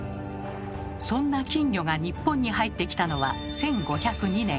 そんな金魚が日本に入ってきたのは１５０２年。